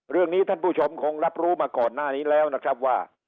เรื่องนี้ท่านผู้ชมคงรับรู้มาก่อนหน้านี้แล้วนะครับว่า